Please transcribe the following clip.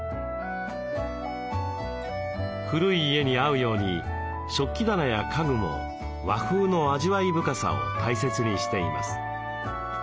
古い家に合うように食器棚や家具も和風の味わい深さを大切にしています。